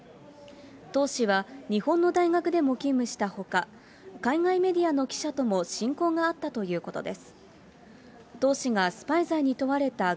董氏は日本の大学でも勤務したほか、海外メディアの記者とも親交があったということです。